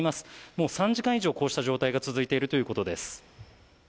もう３時間以上、こうした状態が続いているということです。